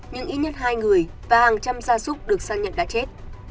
nhưng ít nhất hai người và hàng trăm gia súc được xác nhận đã chết